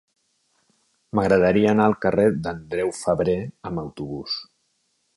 M'agradaria anar al carrer d'Andreu Febrer amb autobús.